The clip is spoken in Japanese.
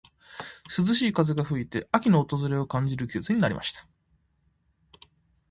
涼しい風が吹いて、秋の訪れを感じる季節になりました。